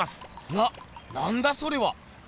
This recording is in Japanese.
ななんだそれは。